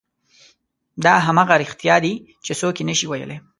دا همغه رښتیا دي چې څوک یې نه شي ویلی.